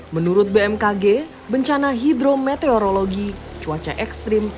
menurut bmkg bencana hidrometeorologi cuaca ekstrim